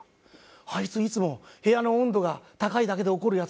あいついつも部屋の温度が高いだけで怒るヤツなのに。